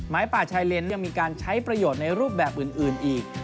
ป่าชายเลนยังมีการใช้ประโยชน์ในรูปแบบอื่นอีก